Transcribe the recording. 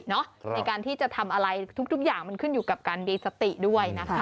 ในการที่จะทำอะไรทุกอย่างมันขึ้นอยู่กับการมีสติด้วยนะคะ